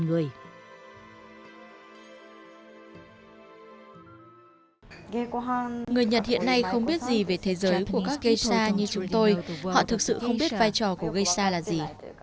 người nhật hiện nay không biết gì về thế giới của các gây xa như chúng tôi họ thực sự không biết vai trò của gây xa là gì